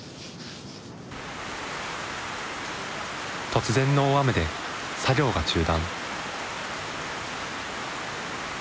突然の大雨で作業が中断。